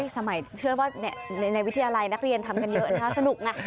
สมัยเชื่อว่าในวิทยาลัยนักเรียนทำกันเยอะนะคะสนุกไง